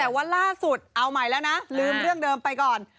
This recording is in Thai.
แต่ว่าล่าสุดเอาใหม่แล้วนะลืมเรื่องเดิมไปก่อน